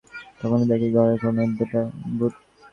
তখনি দেখি ঘরের কোণায় দুটা ভূত।